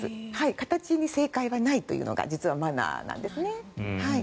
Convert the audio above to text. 形に正解はないというのが実はマナーなんですね。